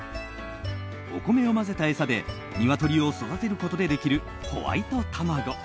お米を混ぜた餌でで鶏を育てることでできるホワイトたまご。